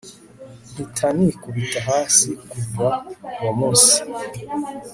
mpitanikubita hasi kuva uwomunsi